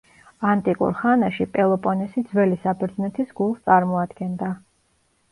ანტიკურ ხანაში, პელოპონესი ძველი საბერძნეთის გულს წარმოადგენდა.